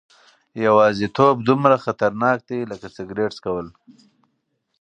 یوازیتوب دومره خطرناک دی لکه سګرټ څکول.